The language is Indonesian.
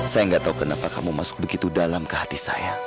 saya nggak tahu kenapa kamu masuk begitu dalam ke hati saya